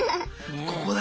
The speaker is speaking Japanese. ここだ。